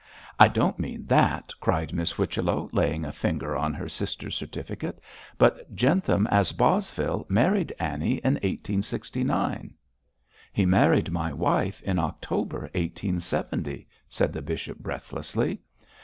'I don't mean that,' cried Miss Whichello, laying a finger on her sister's certificate, 'but Jentham as Bosvile married Annie in 1869.' 'He married my wife in October 1870,' said the bishop, breathlessly.